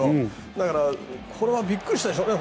だから、これはびっくりしたでしょうね